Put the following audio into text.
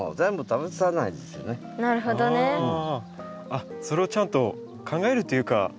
あっそれをちゃんと考えるというか。